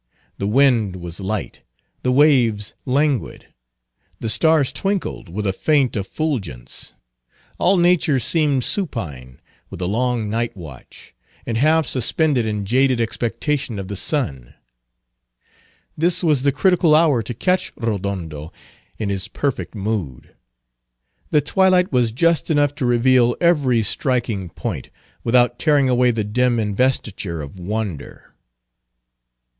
The wind was light; the waves languid; the stars twinkled with a faint effulgence; all nature seemed supine with the long night watch, and half suspended in jaded expectation of the sun. This was the critical hour to catch Rodondo in his perfect mood. The twilight was just enough to reveal every striking point, without tearing away the dim investiture of wonder.